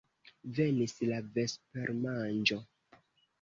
Venis la vespermanĝo.